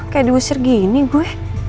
kayak diusir gini gue